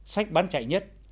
sách bán chạy nhất